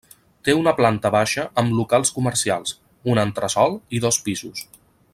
Té una planta baixa amb locals comercials, un entresòl i dos pisos.